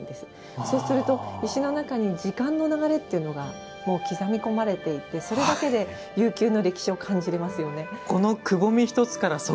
そうすると、石の中に時間の流れというのが刻み込まれていて、それだけで悠久の歴史を感じられますよね。